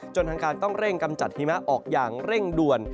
ทางการต้องเร่งกำจัดหิมะออกอย่างเร่งด่วน